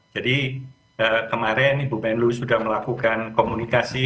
jadi kemarin ibu menlu sudah melakukan komunikasi